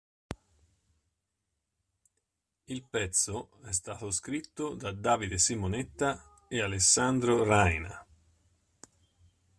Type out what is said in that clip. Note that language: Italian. Il pezzo è stato scritto da Davide Simonetta e Alessandro Raina.